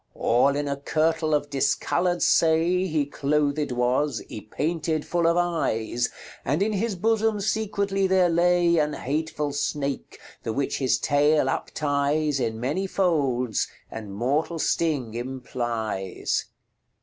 All in a kirtle of discolourd say He clothed was, ypaynted full of eies, And in his bosome secretly there lay An hatefull snake, the which his taile uptyes In many folds, and mortall sting implyes."